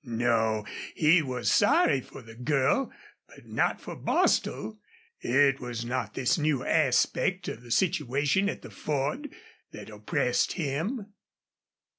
No; he was sorry for the girl, but not for Bostil. It was not this new aspect of the situation at the Ford that oppressed him.